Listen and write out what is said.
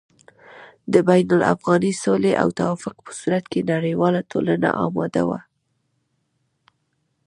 د بين الافغاني سولې او توافق په صورت کې نړېواله ټولنه اماده وه